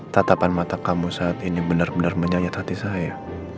tatapan mata kamu saat ini benar benar menyayat hati saya